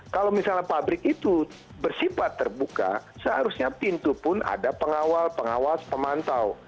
kalau misalnya pabrik itu bersifat terbuka seharusnya pintu pun ada pengawal pengawas pemantau